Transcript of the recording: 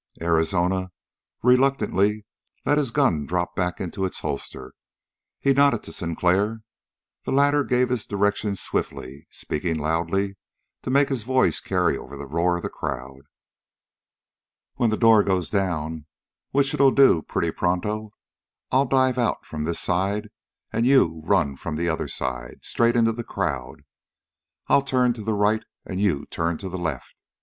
Arizona reluctantly let his gun drop back in its holster. He nodded to Sinclair. The latter gave his directions swiftly, speaking loudly to make his voice carry over the roar of the crowd. "When the door goes down, which it'll do pretty pronto, I'll dive out from this side, and you run from the other side, straight into the crowd. I'll turn to the right, and you turn to the left.